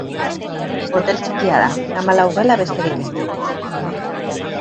Hotel txikia da, hamalau gela besterik ez ditu.